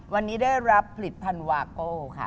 วันนี้ได้รับผลิตภัณฑ์วาโก้ค่ะ